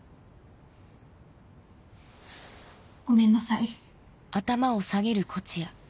ごめんなさい。